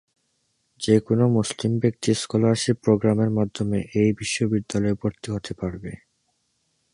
যে কোন মুসলিম ব্যক্তি স্কলারশিপ প্রোগ্রামের মাধ্যমে এই বিশ্ববিদ্যালয়ে ভর্তি হতে পারবে।